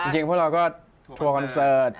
พวกเราก็ทัวร์คอนเสิร์ต